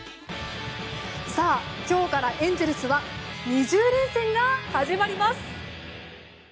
さあ、今日からエンゼルスは２０連戦が始まります！